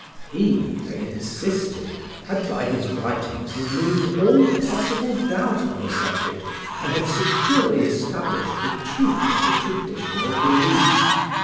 He, they insisted, had by his writings removed all possible doubt on the subject, and had securely established the truth of the traditional belief.